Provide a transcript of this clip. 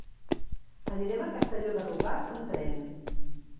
Anirem a Castelló de Rugat amb tren.